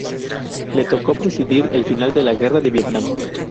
Le tocó presidir el final de la Guerra de Vietnam.